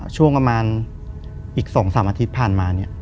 ช่วงประมาณอีก๒๓อาทิตย์ผ่านมา